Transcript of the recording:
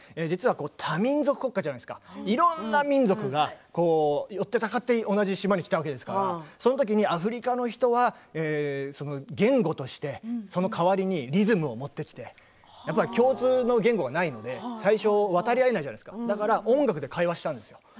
多民族国家じゃないですかいろんな民族が寄ってたかって同じ島に来たわけですからそのときにアフリカの人は言語としてその代わりにリズムを持ってきて共通の言語がないので最初は分かり合えないじゃないですか、だから音楽で会話したんですよ。